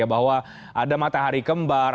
bahwa ada matahari kembar